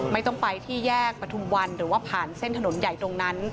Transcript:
ไม่ต้องไปที่แยกประทุมวันหรือว่าผ่านเส้นถนนใหญ่ตรงนั้น